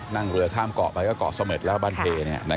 นั่งเรือข้ามเกาะไปก็เกาะเสม็ดแล้วบ้านเพ